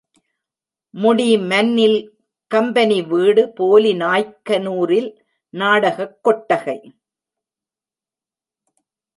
முடி மன்னில் கம்பெனி வீடு போலிநாய்க்கனூரில் நாடகக் கொட்டகை.